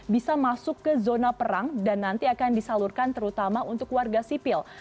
bisa masuk ke zona perang dan nanti akan disalurkan terutama untuk warga sipil